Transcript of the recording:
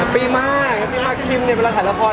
พี่มาคิล์มเนี่ย์เมื่อถ่ายละคร